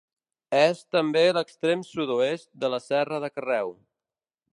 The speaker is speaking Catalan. És també l'extrem sud-oest de la Serra de Carreu.